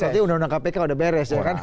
berarti undang undang kpk udah beres ya kan